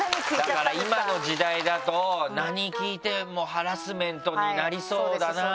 だから今の時代だと何聞いてもハラスメントになりそうだな。